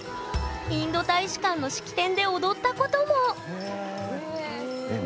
インド大使館の式典で踊ったこともへえ。